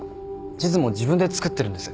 地図も自分で作ってるんです。